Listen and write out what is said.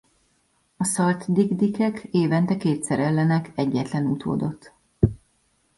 A Salt-dikdikek évente kétszer ellenek egyetlen utódot.